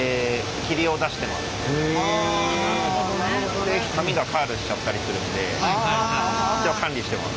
あの紙がカールしちゃったりするんで管理してます。